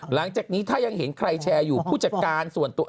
หลังจากนี้ถ้ายังเห็นใครแชร์อยู่ผู้จัดการส่วนตัว